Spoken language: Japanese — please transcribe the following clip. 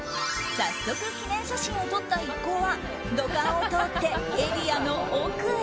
早速、記念写真を撮った一行は土管を通ってエリアの奥へ。